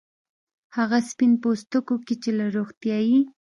هغو سپین پوستکو کې چې له روغتیايي